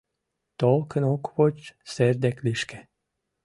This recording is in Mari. Толкын ок воч сер дек лишке.